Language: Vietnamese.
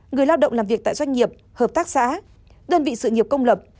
người lao động làm việc tại doanh nghiệp hợp tác xã đơn vị sự nghiệp công lập